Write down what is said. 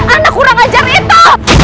anak kurang ajar itu